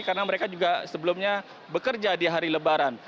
karena mereka juga sebelumnya bekerja di hari lebaran